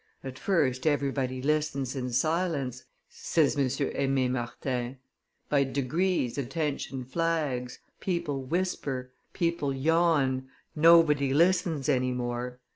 "At first everybody listens in silence," says M. Aime Martin; "by degrees attention flags, people whisper, people yawn, nobody listens any more; M.